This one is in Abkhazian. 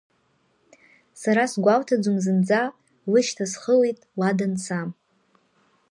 Сара сгәалҭаӡом зынӡа, лышьҭа схылеит ла данца.